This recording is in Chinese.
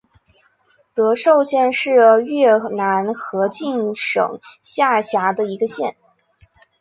德寿县是越南河静省下辖的一个县。